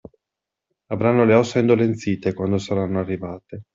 Avranno le ossa indolenzite quando saranno arrivate.